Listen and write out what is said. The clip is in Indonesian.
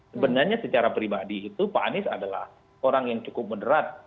sebenarnya secara pribadi itu pak anies adalah orang yang cukup moderat